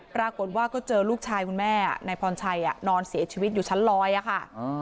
ปรากฏว่าก็เจอลูกชายคุณแม่นายพรชัยนอนเสียชีวิตอยู่ชั้นลอยอะค่ะ